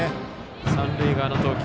三塁側の投球